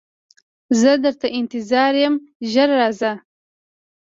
زه درته انتظار یم ژر راځه